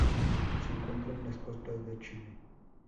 Se encuentra en las costas de Chile.